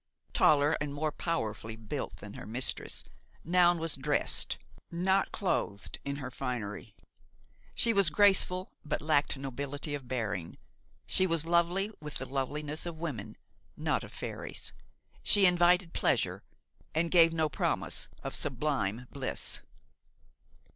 Taller and more powerfully built than her mistress, Noun was dressed, not clothed in her finery. She was graceful but lacked nobility of bearing; she was lovely with the loveliness of women, not of fairies; she invited pleasure and gave no promise of sublime bliss.